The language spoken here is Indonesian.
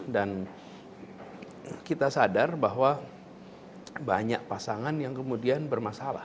dan kita sadar bahwa banyak pasangan yang kemudian bermasalah